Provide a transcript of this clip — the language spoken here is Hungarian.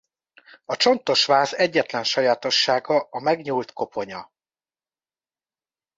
A csontos váz egyetlen sajátossága a megnyúlt koponya.